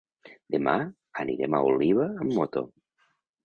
Demà anirem a Oliva amb moto.